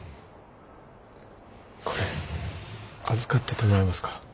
これ預かっててもらえますか？